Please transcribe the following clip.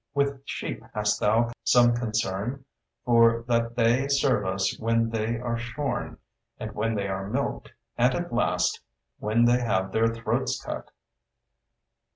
With sheep hast thou some concern, for that they serve us when they are shorn, and when they are milked, and at last when they have their throats cut.